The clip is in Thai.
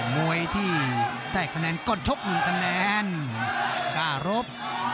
มวยที่ได้คะแนนก่อนชบหนึ่งคะแนนก้ารบ